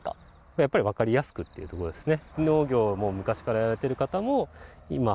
やっぱりわかりやすくっていうところですね。